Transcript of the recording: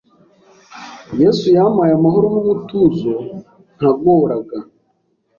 Yesu yampaye amahoro n’umutuzo ntagoraga,